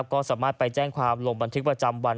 ก็สามารถไปแจ้งความลงบันทึกประจำวัน